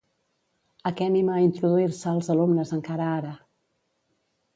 A què anima a introduir-se als alumnes encara ara?